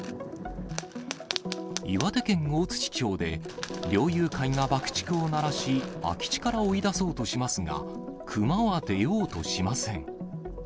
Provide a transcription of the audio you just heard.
岩手県大槌町で、猟友会が爆竹を鳴らし、空き地から追い出そうとしますが、クマは出ようとしません。